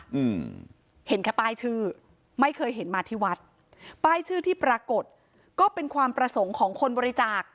อืมเห็นแค่ป้ายชื่อไม่เคยเห็นมาที่วัดป้ายชื่อที่ปรากฏก็เป็นความประสงค์ของคนบริจาค